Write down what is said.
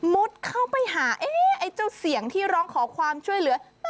เข้าไปหาไอ้เจ้าเสียงที่ร้องขอความช่วยเหลือ